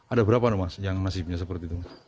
ada berapa yang nasibnya seperti itu